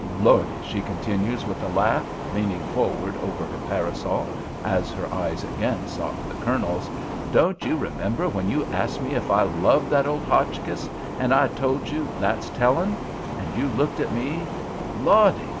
Lordy!" she continued, with a laugh, leaning forward over her parasol, as her eyes again sought the Colonel's, "don't you remember when you asked me if I loved that old Hotchkiss, and I told you 'That's tellin',' and you looked at me, Lordy!